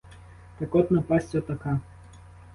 Так от напасть отака!